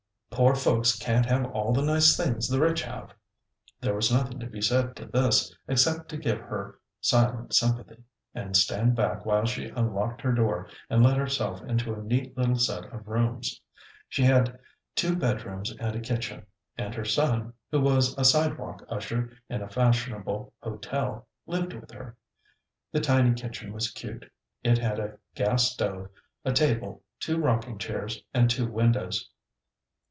Poor folks can't have all the nice things the rich have." There was nothing to be said to this, except to give her silent sympathy, and stand back while she unlocked her door, and let herself into a neat little set of rooms. She had two bed rooms and a kitchen, and her son, who was a sidewalk usher in a fashionable hotel, lived with her. The tiny kitchen was cute. It had a gas stove, a table, two rocking chairs and two windows.